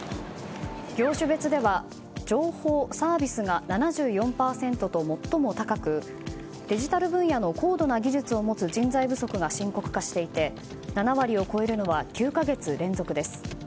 業種別では情報・サービスが７４％と最も高くデジタル分野の高度な技術を持つ人材不足が深刻化していて７割を超えるのは９か月連続です。